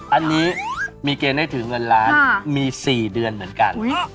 อันนี้มีเกณฑ์ได้ถือเงินล้านมี๔เดือนเหมือนกัน